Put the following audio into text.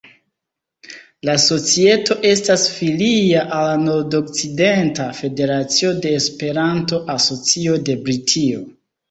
La societo estas filia al la Nord-Okcidenta Federacio de Esperanto-Asocio de Britio.